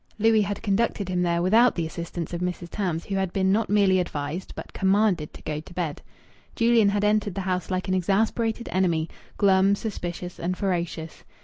Louis had conducted him there without the assistance of Mrs. Tams, who had been not merely advised, but commanded, to go to bed. Julian had entered the house like an exasperated enemy glum, suspicious, and ferocious.